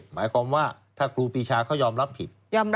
หมายความว่าถ้าครูปีชาเขายอมรับผิด